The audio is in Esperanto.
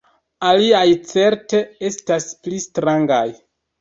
Aliaj certe estas pli strangaj.